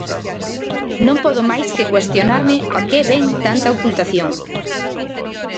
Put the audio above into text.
Non podo máis que cuestionarme a que vén tanta ocultación.